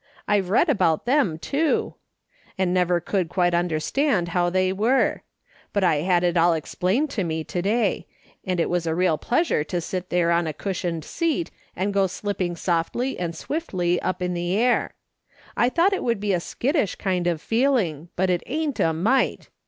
I've read about them, too ; and I never could quite understand how they were ; but I had it all explained "YOU ARE RIGHT, I AM A RELATION." 193 to me to day ; and it was a real pleasure to sit there on a cushioned seat and go slipping softly and swiftly up in the air. I thought it would be a skittish kind of feeling, but it ain't a mite.